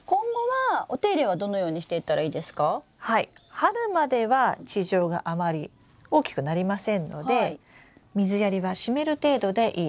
春までは地上があまり大きくなりませんので水やりは湿る程度でいいです。